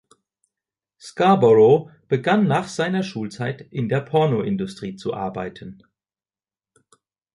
Scarborough begann nach seiner Schulzeit, in der Pornoindustrie zu arbeiten.